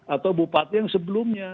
atau bupati yang sebelumnya